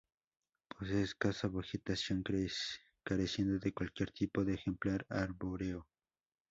Poseen escasa vegetación, careciendo de cualquier tipo de ejemplar arbóreo.